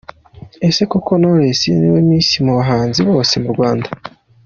Ese koko Knowless ni we Miss mu bahanzi bose mu Rwanda?.